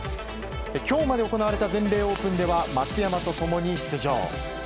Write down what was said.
今日まで行われた全米オープンでは松山と共に出場。